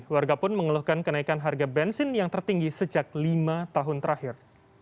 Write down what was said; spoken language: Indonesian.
warga pun mengeluhkan kenaikan harga bensin yang tertinggi sejak lima tahun terakhir